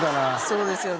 そうですよね。